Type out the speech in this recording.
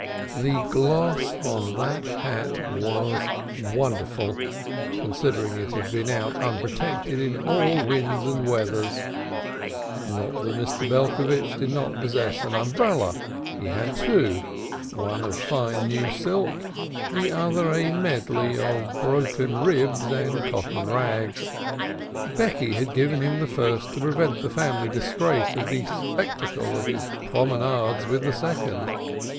The gloss on that hat was wonderful, considering it had been out unprotected in all winds and weathers. Not that Mr. Belcovitch did not possess an umbrella. He had two, one of fine new silk, the other a medley of broken ribs and cotton rags. Becky had given him the first to prevent the family disgrace of the spectacle of his promenades with the second.